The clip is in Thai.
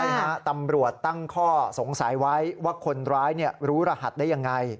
ใช่ฮะตำรวจตั้งข้อสงสัยไว้ว่าคนร้ายรู้รหัสได้ยังไง